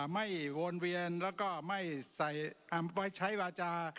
ไม่วนเวียนแล้วก็ไม่ใส่วาจา